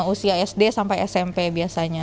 usia sd sampai smp biasanya